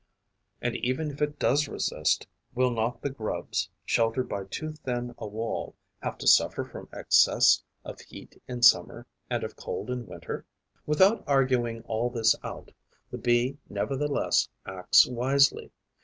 And, even if it does resist, will not the grubs, sheltered by too thin a wall, have to suffer from excess of heat in summer and of cold in winter? Without arguing all this out, the Bee nevertheless acts wisely.